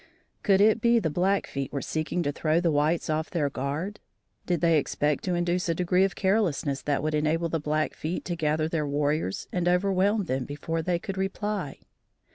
Could it be the Blackfeet were seeking to throw the whites off their guard? Did they expect to induce a degree of carelessness that would enable the Blackfeet to gather their warriors and overwhelm them before they could reply?